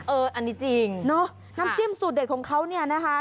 เอออันนี้จริงเนอะน้ำจิ้มสูตรเด็ดของเขาเนี่ยนะคะ